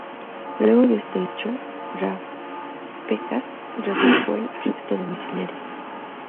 Luego de este hecho, Rafecas revocó el arresto domiciliario.